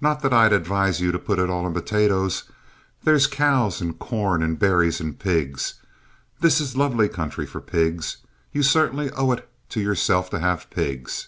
"Not that I'd advise you to put it all in potatoes. There's cows and corn and berries and pigs. This is lovely country for pigs. You certainly owe it to yourself to have pigs.